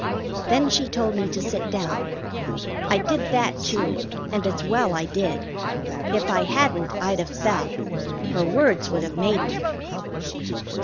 Then she told me to sit down. I did that, too, and it's well I did. If I hadn't I'd have fell. Her words would have made me.